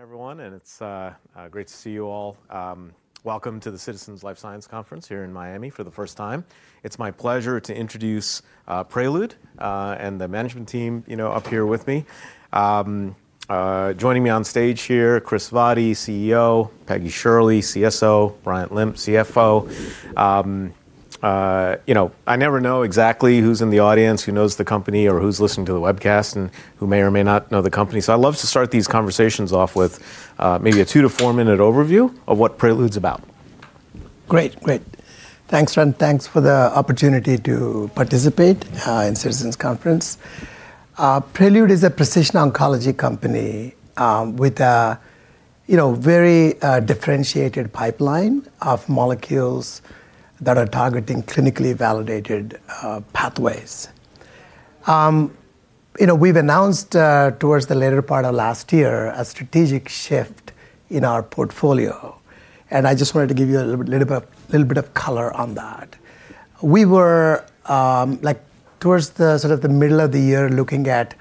Everyone, it's great to see you all. Welcome to the Citizens Life Sciences Conference here in Miami for the first time. It's my pleasure to introduce Prelude and the management team, you know, up here with me. Joining me on stage here, Kris Vaddi, CEO, Peggy Scherle, CSO, Bryant Lim, CFO. You know, I never know exactly who's in the audience, who knows the company or who's listening to the webcast and who may or may not know the company. I love to start these conversations off with maybe a two- to four-minute overview of what Prelude's about. Great. Thanks, Randy. Thanks for the opportunity to participate in Citizens Life Sciences Conference. Prelude is a precision oncology company, with a, you know, very differentiated pipeline of molecules that are targeting clinically validated pathways. You know, we've announced towards the latter part of last year a strategic shift in our portfolio, and I just wanted to give you a little bit of color on that. We were, like, towards the sort of the middle of the year looking at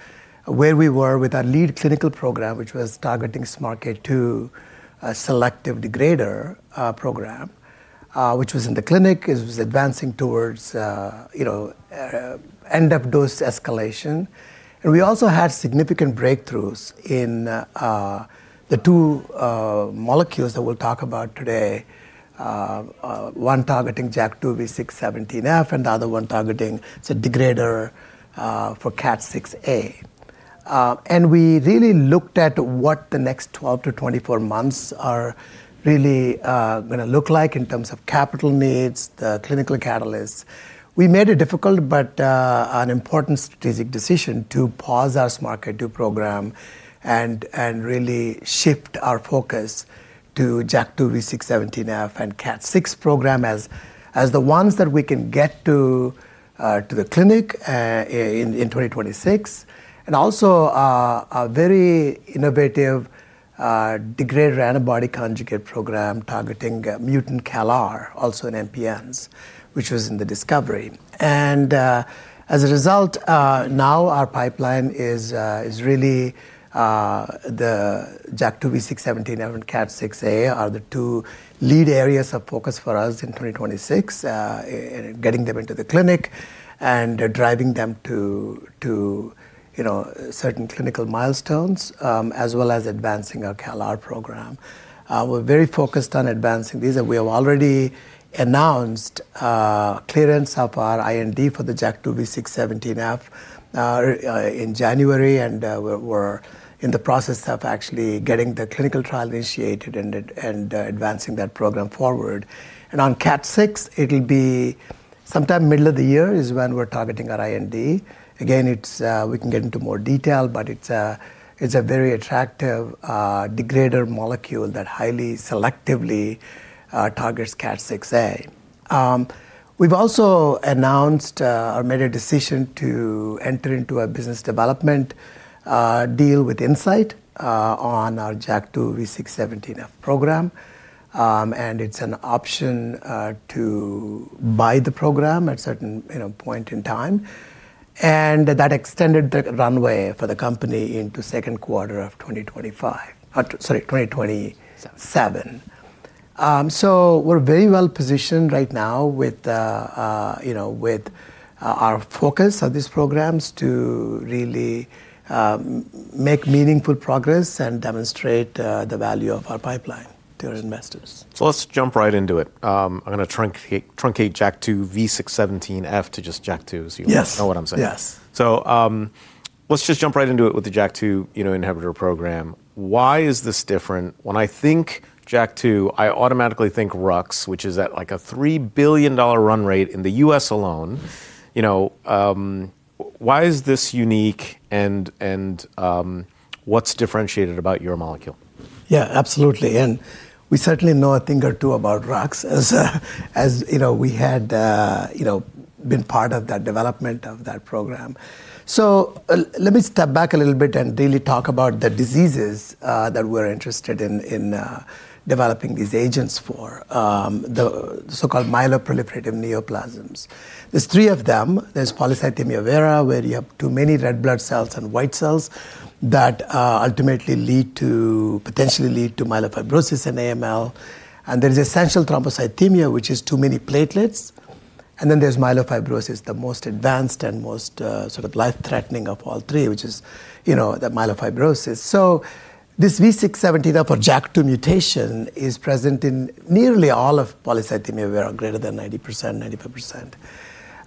where we were with our lead clinical program, which was targeting SMARCA2 selective degrader program, which was in the clinic. It was advancing towards, you know, end of dose escalation. We also had significant breakthroughs in the two molecules that we'll talk about today, one targeting JAK2V617F and the other one targeting it's a degrader for KAT6A. We really looked at what the next 12-24 months are really gonna look like in terms of capital needs, the clinical catalysts. We made a difficult but an important strategic decision to pause our SMARCA2 program and really shift our focus to JAK2V617F and KAT6 program as the ones that we can get to the clinic in 2026 and also a very innovative degrader antibody conjugate program targeting mutant CALR, also in MPNs, which was in the discovery. As a result, now our pipeline is really the JAK2V617F and KAT6A are the two lead areas of focus for us in 2026 in getting them into the clinic and driving them to you know certain clinical milestones as well as advancing our CALR program. We're very focused on advancing these, and we have already announced clearance of our IND for the JAK2V617F in January, and we're in the process of actually getting the clinical trial initiated and advancing that program forward. On KAT6, it'll be sometime middle of the year is when we're targeting our IND. Again, we can get into more detail, but it's a very attractive degrader molecule that highly selectively targets KAT6A. We've also announced or made a decision to enter into a business development deal with Incyte on our JAK2V617F program. It's an option to buy the program at certain, you know, point in time. That extended the runway for the company into second quarter of 2025. Seven. We're very well positioned right now with you know with our focus on these programs to really make meaningful progress and demonstrate the value of our pipeline to our investors. Let's jump right into it. I'm gonna truncate JAK2V617F to just JAK2 so you- Yes. You know what I'm saying. Yes. Let's just jump right into it with the JAK2, you know, inhibitor program. Why is this different? When I think JAK2, I automatically think ruxolitinib, which is at, like, a $3 billion run rate in the U.S. alone. You know, why is this unique and what's differentiated about your molecule? Yeah, absolutely. We certainly know a thing or two about ruxolitinib as, you know, we had, you know, been part of that development of that program. Let me step back a little bit and really talk about the diseases that we're interested in in developing these agents for, the so-called myeloproliferative neoplasms. There's three of them. There's polycythemia vera, where you have too many red blood cells and white cells that potentially lead to myelofibrosis and AML. There's essential thrombocythemia, which is too many platelets. There's myelofibrosis, the most advanced and most sort of life-threatening of all three, which is, you know, the myelofibrosis. This V617F or JAK2 mutation is present in nearly all of polycythemia vera, greater than 90%, 95%.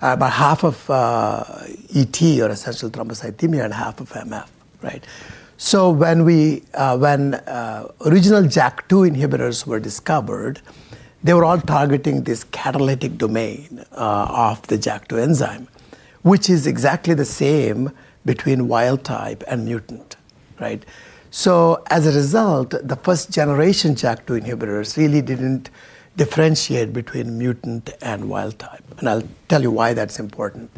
About half of ET or essential thrombocythemia and half of MF, right? When original JAK2 inhibitors were discovered, they were all targeting this catalytic domain of the JAK2 enzyme, which is exactly the same between wild type and mutant, right? As a result, the first generation JAK2 inhibitors really didn't differentiate between mutant and wild type, and I'll tell you why that's important.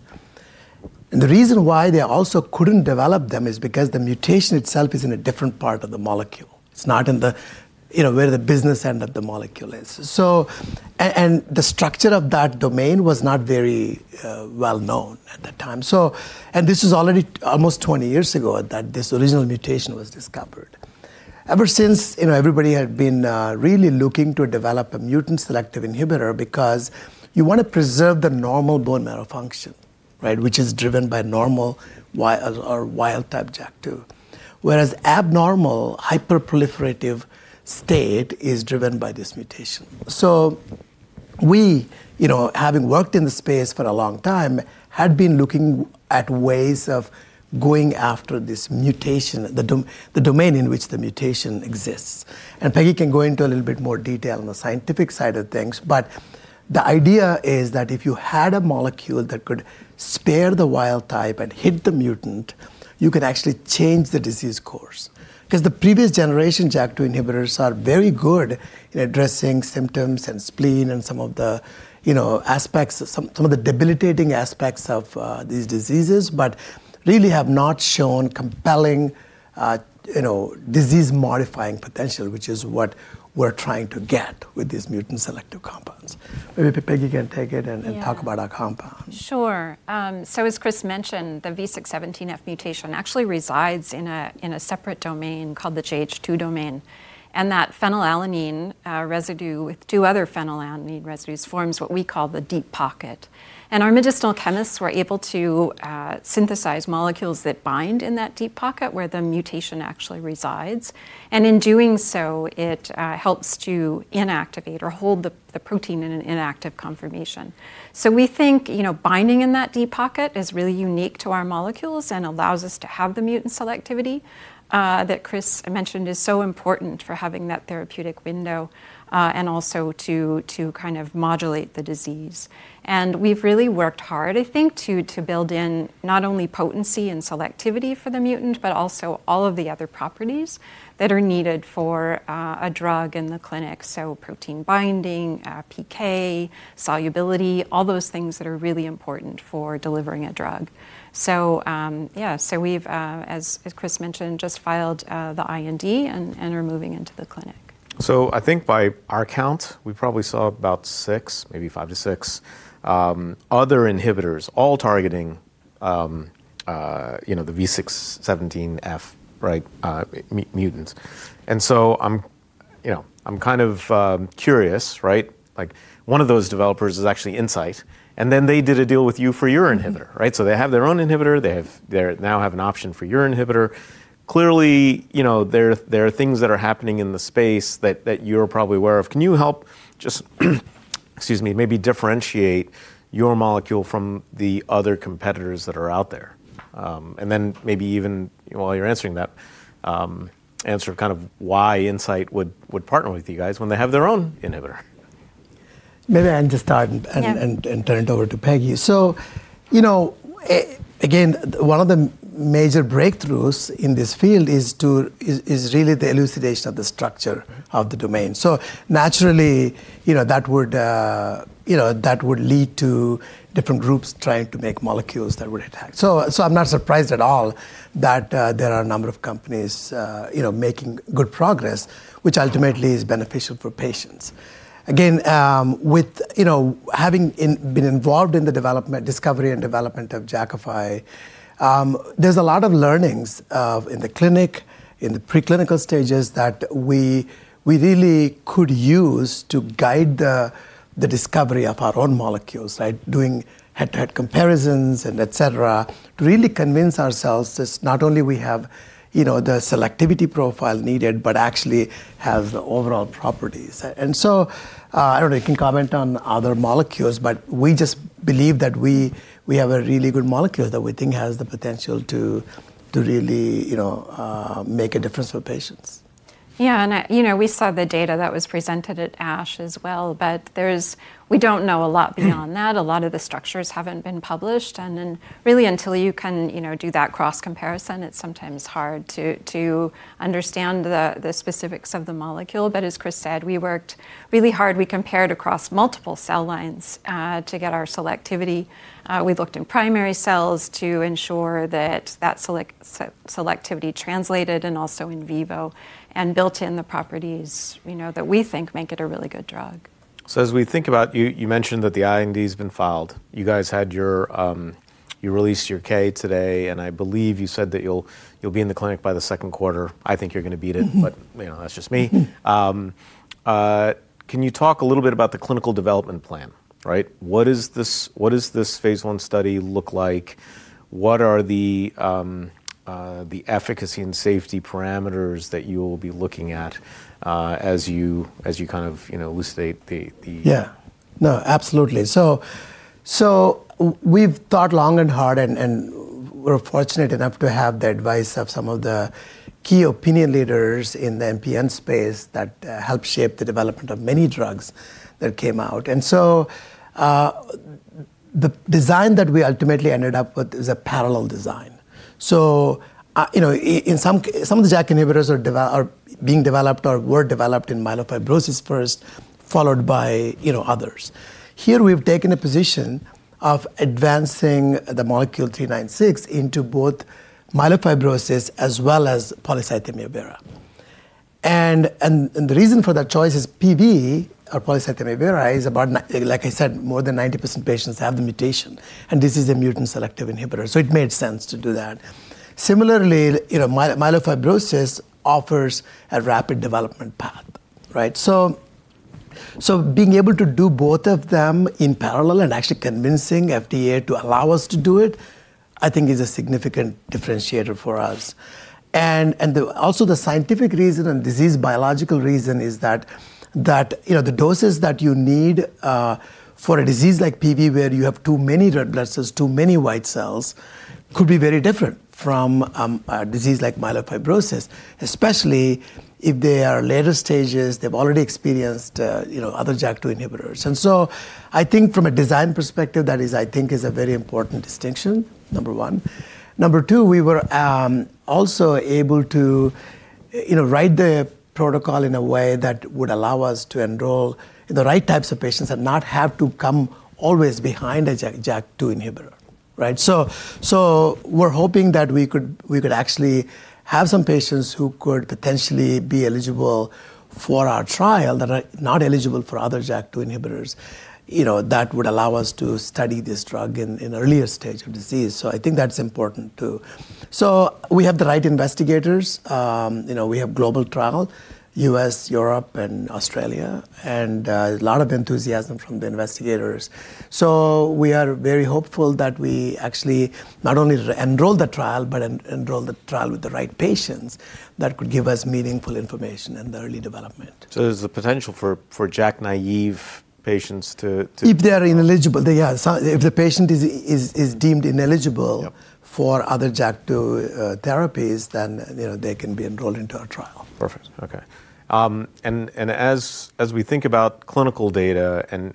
The reason why they also couldn't develop them is because the mutation itself is in a different part of the molecule. It's not in the, you know, where the business end of the molecule is. And the structure of that domain was not very well known at that time. This is already almost 20 years ago that this original mutation was discovered. Ever since, you know, everybody had been really looking to develop a mutant selective inhibitor because you want to preserve the normal bone marrow function, right, which is driven by normal or wild-type JAK2. Whereas abnormal hyperproliferative state is driven by this mutation. We, you know, having worked in the space for a long time, had been looking at ways of going after this mutation, the domain in which the mutation exists. Peggy can go into a little bit more detail on the scientific side of things, but the idea is that if you had a molecule that could spare the wild type and hit the mutant, you can actually change the disease course. Because the previous generation JAK2 inhibitors are very good in addressing symptoms and spleen and some of the, you know, aspects, some of the debilitating aspects of these diseases, but really have not shown compelling, you know, disease modifying potential, which is what we're trying to get with these mutant selective compounds. Maybe Peggy can take it and talk about our compound. Sure. As Kris mentioned, the V617F mutation actually resides in a separate domain called the JH2 domain, and that phenylalanine residue with two other phenylalanine residues forms what we call the deep pocket. Our medicinal chemists were able to synthesize molecules that bind in that deep pocket where the mutation actually resides. In doing so, it helps to inactivate or hold the protein in an inactive conformation. We think, you know, binding in that deep pocket is really unique to our molecules and allows us to have the mutant selectivity that Kris mentioned is so important for having that therapeutic window, and also to kind of modulate the disease. We've really worked hard, I think, to build in not only potency and selectivity for the mutant, but also all of the other properties that are needed for a drug in the clinic. Protein binding, PK, solubility, all those things that are really important for delivering a drug. We've, as Kris mentioned, just filed the IND and are moving into the clinic. I think by our count, we probably saw about six, maybe five-six, other inhibitors all targeting, you know, the V617F, right, mutants. I'm you know kind of curious, right? Like one of those developers is actually Incyte, and then they did a deal with you for your inhibitor, right? They have their own inhibitor. They now have an option for your inhibitor. Clearly, you know, there are things that are happening in the space that you're probably aware of. Can you help just excuse me, maybe differentiate your molecule from the other competitors that are out there? And then maybe even while you're answering that, answer kind of why Incyte would partner with you guys when they have their own inhibitor. Maybe I'll just start. Yeah Turn it over to Peggy. You know, again, one of the major breakthroughs in this field is really the elucidation of the structure of the domain. Naturally, you know, that would lead to different groups trying to make molecules that would attack. I'm not surprised at all that there are a number of companies, you know, making good progress, which ultimately is beneficial for patients. Again, with, you know, having been involved in the development, discovery, and development of Jakafi, there's a lot of learnings in the clinic, in the preclinical stages that we really could use to guide the discovery of our own molecules, right? Doing head-to-head comparisons and etc., to really convince ourselves just not only we have, you know, the selectivity profile needed, but actually have the overall properties. I don't know, you can comment on other molecules, but we just believe that we have a really good molecule that we think has the potential to really, you know, make a difference for patients. Yeah, you know, we saw the data that was presented at ASH as well. We don't know a lot beyond that. A lot of the structures haven't been published, and then really until you can, you know, do that cross comparison, it's sometimes hard to understand the specifics of the molecule. As Kris said, we worked really hard. We compared across multiple cell lines to get our selectivity. We looked in primary cells to ensure that selectivity translated and also in vivo and built in the properties, you know, that we think make it a really good drug. As we think about you mentioned that the IND's been filed. You guys had your 10-K today, and I believe you said that you'll be in the clinic by the second quarter. I think you're gonna beat it. You know, that's just me. Can you talk a little bit about the clinical development plan, right? What is this, what does this phase 1 study look like? What are the efficacy and safety parameters that you'll be looking at as you kind of you know elucidate the? Yeah. No, absolutely. We've thought long and hard, and we're fortunate enough to have the advice of some of the key opinion leaders in the MPN space that helped shape the development of many drugs that came out. The design that we ultimately ended up with is a parallel design. You know, in some of the JAK inhibitors are being developed or were developed in myelofibrosis first, followed by, you know, others. Here, we've taken a position of advancing the molecule three nine six into both myelofibrosis as well as polycythemia vera. The reason for that choice is PV, or polycythemia vera, is about, like I said, more than 90% of patients have the mutation, and this is a mutant-selective inhibitor, so it made sense to do that. Similarly, you know, myelofibrosis offers a rapid development path, right? Being able to do both of them in parallel and actually convincing FDA to allow us to do it, I think is a significant differentiator for us. Also the scientific reason and disease biological reason is that, you know, the doses that you need for a disease like PV where you have too many red blood cells, too many white cells, could be very different from a disease like myelofibrosis, especially if they are later stages, they've already experienced, you know, other JAK2 inhibitors. I think from a design perspective, that is I think is a very important distinction, number one. Number two, we were also able to, you know, write the protocol in a way that would allow us to enroll the right types of patients and not have to come always behind a JAK2 inhibitor, right? We're hoping that we could actually have some patients who could potentially be eligible for our trial that are not eligible for other JAK2 inhibitors, you know, that would allow us to study this drug in earlier stage of disease. I think that's important too. We have the right investigators, you know, we have global trial, U.S., Europe and Australia, and a lot of enthusiasm from the investigators. We are very hopeful that we actually not only enroll the trial, but enroll the trial with the right patients that could give us meaningful information in the early development. There's the potential for JAK naive patients to If they're ineligible, they are. If the patient is deemed ineligible. Yep for other JAK2 therapies, then, you know, they can be enrolled into our trial. Perfect. Okay. As we think about clinical data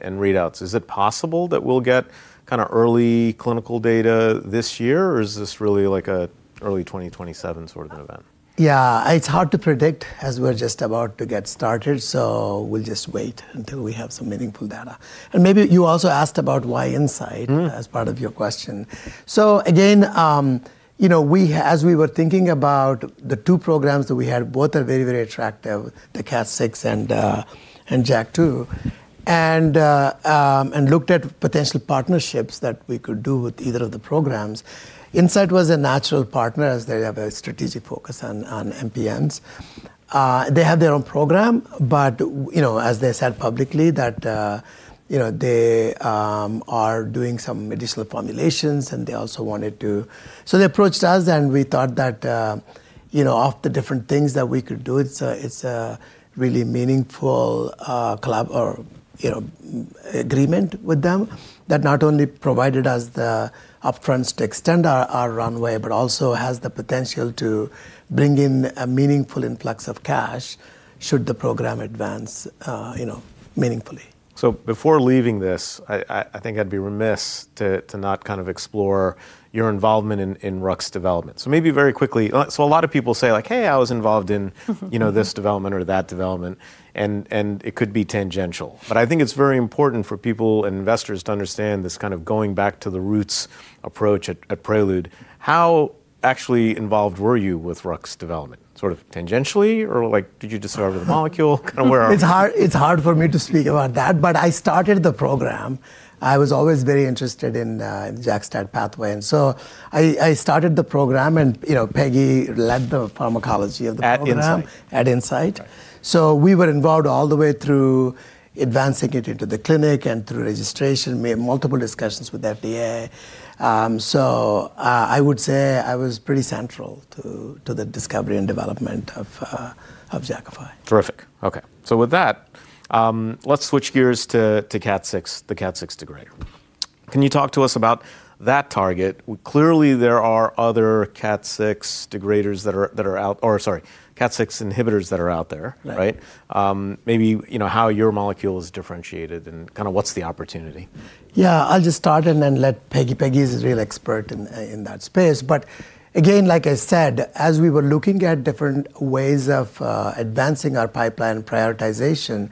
and readouts, is it possible that we'll get kinda early clinical data this year, or is this really like an early 2027 sort of event? Yeah. It's hard to predict as we're just about to get started, so we'll just wait until we have some meaningful data. Maybe you also asked about why Incyte- Mm-hmm as part of your question. Again, you know, as we were thinking about the two programs that we had, both are very, very attractive, the KAT6 and JAK2, and looked at potential partnerships that we could do with either of the programs. Incyte was a natural partner as they have a strategic focus on MPNs. They have their own program, but, you know, as they said publicly that they are doing some medicinal formulations, and they also wanted to. They approached us, and we thought that, you know, of the different things that we could do, it's a really meaningful collaboration or, you know, agreement with them that not only provided us the upfronts to extend our runway, but also has the potential to bring in a meaningful influx of cash should the program advance, you know, meaningfully. Before leaving this, I think I'd be remiss to not kind of explore your involvement in ruxolitinib development. Maybe very quickly. A lot of people say like, "Hey, I was involved in, you know, this development or that development," and it could be tangential. I think it's very important for people and investors to understand this kind of going back to the roots approach at Prelude. How actually involved were you with ruxolitinib development? Sort of tangentially or like, did you discover the molecule? Kinda where are we? It's hard for me to speak about that, but I started the program. I was always very interested in the JAK-STAT pathway. I started the program and, you know, Peggy led the pharmacology of the program. At Incyte. At Incyte. Right. We were involved all the way through advancing it into the clinic and through registration. We had multiple discussions with FDA. I would say I was pretty central to the discovery and development of Jakafi. Terrific. Okay. With that, let's switch gears to KAT6, the KAT6 degrader. Can you talk to us about that target? Clearly, there are other KAT6 inhibitors that are out there, right? Right. Maybe you know how your molecule is differentiated and kinda what's the opportunity? Yeah, I'll just start and then let Peggy. Peggy's a real expert in that space. Again, like I said, as we were looking at different ways of advancing our pipeline prioritization,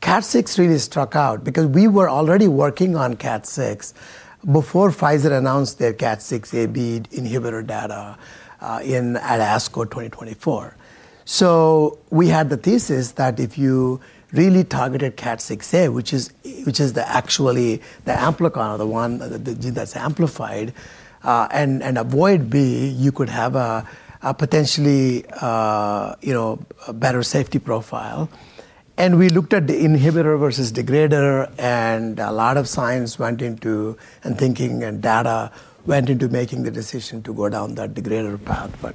KAT6 really stood out because we were already working on KAT6 before Pfizer announced their KAT6A, B inhibitor data at ASCO 2024. We had the thesis that if you really targeted KAT6A which is actually the amplicon or the one that's amplified and avoid B, you could have a potentially you know a better safety profile. We looked at the inhibitor versus degrader and a lot of science went into and thinking and data went into making the decision to go down that degrader path but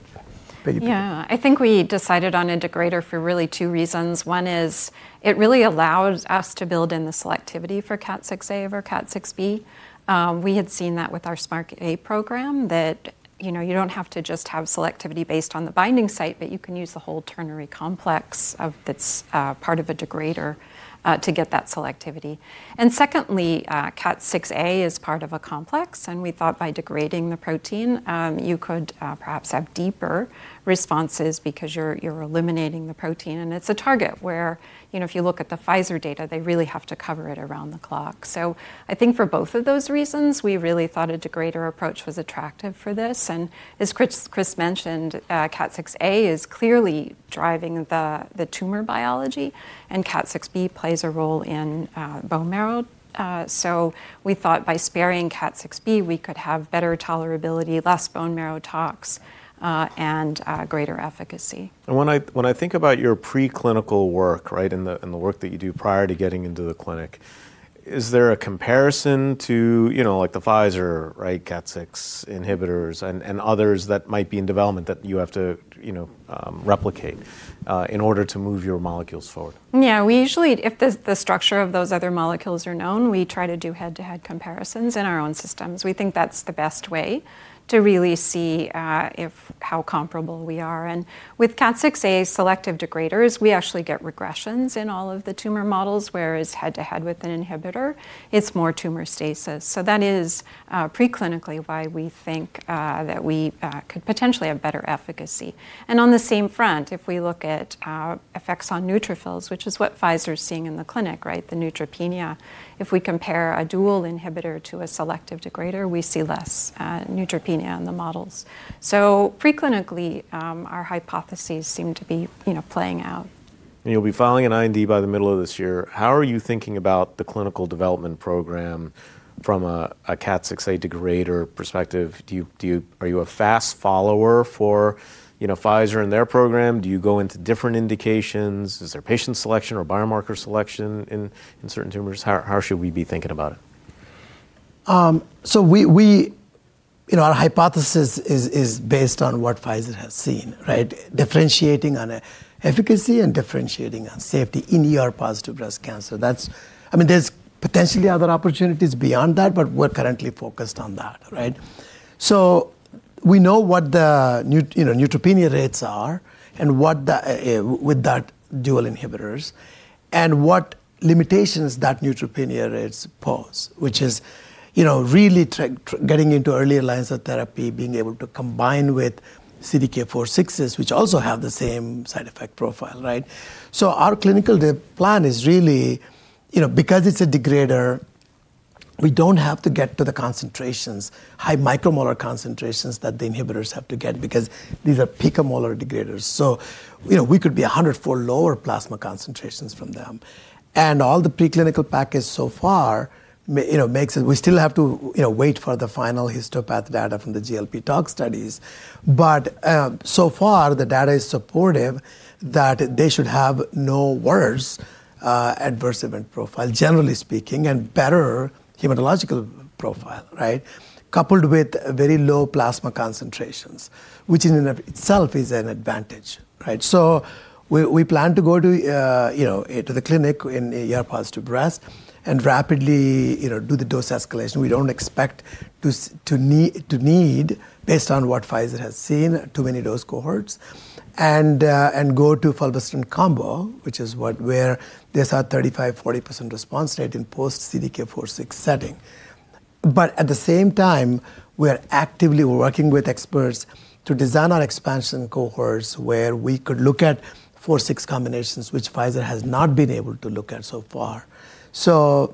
Peggy. Yeah. I think we decided on a degrader for really two reasons. One is it really allows us to build in the selectivity for KAT6A over KAT6B. We had seen that with our SMARCA2 program that, you know, you don't have to just have selectivity based on the binding site, but you can use the whole ternary complex that's part of a degrader to get that selectivity. And secondly, KAT6A is part of a complex, and we thought by degrading the protein, you could perhaps have deeper responses because you're eliminating the protein. And it's a target where, you know, if you look at the Pfizer data, they really have to cover it around the clock. I think for both of those reasons, we really thought a degrader approach was attractive for this. As Kris mentioned, KAT6A is clearly driving the tumor biology, and KAT6B plays a role in bone marrow. We thought by sparing KAT6B, we could have better tolerability, less bone marrow tox, and greater efficacy. When I think about your preclinical work, right, and the work that you do prior to getting into the clinic. Is there a comparison to, you know, like the Pfizer KAT6 inhibitors and others that might be in development that you have to, you know, replicate in order to move your molecules forward? Yeah. We usually if the structure of those other molecules are known, we try to do head-to-head comparisons in our own systems. We think that's the best way to really see if how comparable we are. With KAT6A selective degraders, we actually get regressions in all of the tumor models, whereas head-to-head with an inhibitor, it's more tumor stasis. That is preclinically why we think that we could potentially have better efficacy. On the same front, if we look at effects on neutrophils, which is what Pfizer's seeing in the clinic, right, the neutropenia, if we compare a dual inhibitor to a selective degrader, we see less neutropenia in the models. Preclinically, our hypotheses seem to be, you know, playing out. You'll be filing an IND by the middle of this year. How are you thinking about the clinical development program from a KAT6A degrader perspective? Are you a fast follower for, you know, Pfizer and their program? Do you go into different indications? Is there patient selection or biomarker selection in certain tumors? How should we be thinking about it? Our hypothesis is based on what Pfizer has seen, right? Differentiating on efficacy and differentiating on safety in ER-positive breast cancer. That's I mean, there's potentially other opportunities beyond that, but we're currently focused on that, right? We know what the neutropenia rates are and what the limitations with those dual inhibitors and what limitations that neutropenia rates pose, which is you know, really getting into earlier lines of therapy, being able to combine with CDK4/6s, which also have the same side effect profile, right? Our clinical plan is really, you know, because it's a degrader, we don't have to get to the concentrations, high micromolar concentrations that the inhibitors have to get because these are picomolar degraders. You know, we could be a hundredfold lower plasma concentrations than them. All the preclinical package so far you know, makes it. We still have to you know, wait for the final histopath data from the GLP toxicology studies. So far, the data is supportive that they should have no worse adverse event profile, generally speaking, and better hematological profile, right? Coupled with very low plasma concentrations, which in and of itself is an advantage, right? We plan to go to the clinic in ER-positive breast and rapidly you know, do the dose escalation. We don't expect to need, based on what Pfizer has seen, too many dose cohorts and go to fulvestrant combo, which is where there's a 35%-40% response rate in post-CDK4/6 setting. At the same time, we're actively working with experts to design our expansion cohorts where we could look at CDK4/6 combinations, which Pfizer has not been able to look at so far. I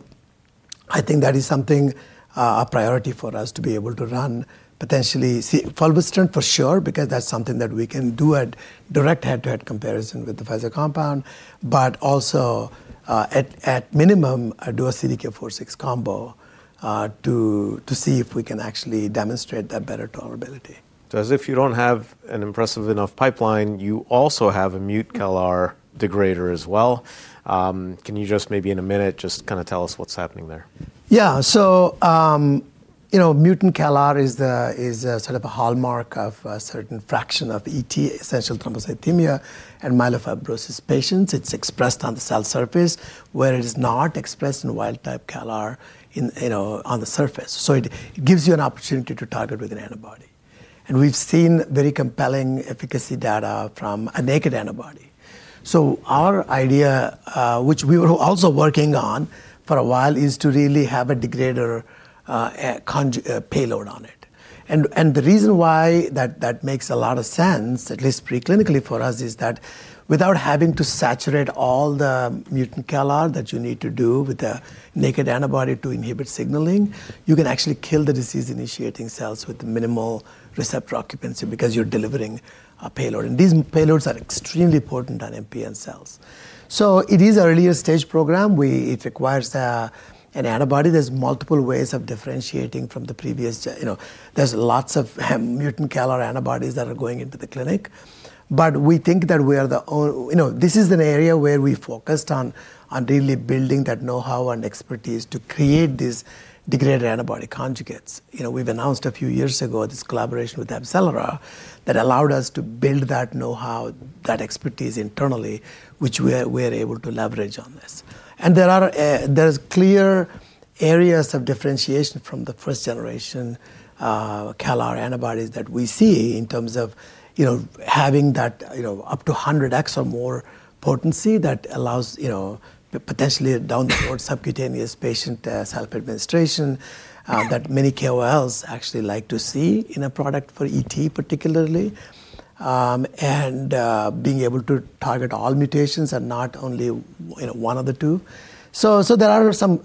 think that is something, a priority for us to be able to run potentially. CDK, fulvestrant for sure, because that's something that we can do a direct head-to-head comparison with the Pfizer compound, but also, at minimum, do a CDK4/6 combo, to see if we can actually demonstrate that better tolerability. As if you don't have an impressive enough pipeline, you also have a mutant CALR degrader as well. Can you just maybe in a minute just kinda tell us what's happening there? Yeah. You know, mutant CALR is a sort of a hallmark of a certain fraction of ET, essential thrombocythemia, and myelofibrosis patients. It's expressed on the cell surface where it is not expressed in wild type CALR in, you know, on the surface. It gives you an opportunity to target with an antibody. We've seen very compelling efficacy data from a naked antibody. Our idea, which we were also working on for a while, is to really have a degrader conjugate payload on it. The reason why that makes a lot of sense, at least preclinically for us, is that without having to saturate all the mutant CALR that you need to do with the naked antibody to inhibit signaling, you can actually kill the disease initiating cells with minimal receptor occupancy because you're delivering a payload. These payloads are extremely potent on MPN cells. It is an earlier stage program. It requires an antibody. There's multiple ways of differentiating from the previous. You know, there's lots of mutant CALR antibodies that are going into the clinic. But we think that we are. You know, this is an area where we focused on really building that know-how and expertise to create these degrader antibody conjugates. You know, we've announced a few years ago this collaboration with AbCellera that allowed us to build that know-how, that expertise internally, which we're able to leverage on this. There are clear areas of differentiation from the first generation CALR antibodies that we see in terms of, you know, having that, you know, up to 100x or more potency that allows, you know, potentially a down the road subcutaneous patient self-administration, that many KOLs actually like to see in a product for ET particularly, and being able to target all mutations and not only, you know, one of the two. So there are some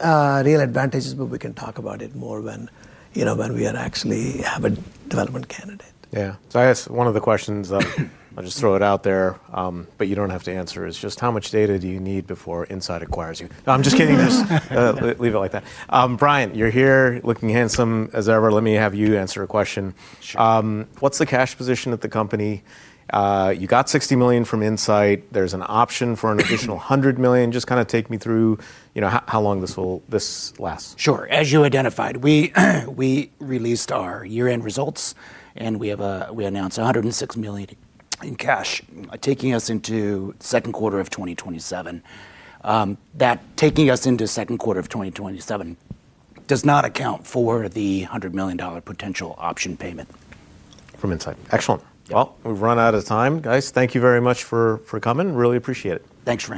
real advantages, but we can talk about it more when, you know, when we actually have a development candidate. Yeah. I guess one of the questions that I'll just throw it out there, but you don't have to answer, is just how much data do you need before Incyte acquires you? No, I'm just kidding. Just leave it like that. Bryant, you're here looking handsome as ever. Let me have you answer a question. Sure. What's the cash position at the company? You got $60 million from Incyte. There's an option for an additional $100 million. Just kinda take me through, you know, how long this lasts. Sure. As you identified, we released our year-end results, and we announced $106 million in cash, taking us into second quarter of 2027. That taking us into second quarter of 2027 does not account for the $100 million potential option payment. From Incyte. Excellent. Yeah. Well, we've run out of time, guys. Thank you very much for coming. Really appreciate it. Thanks, Randy.